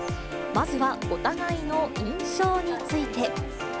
まずはお互いの印象について。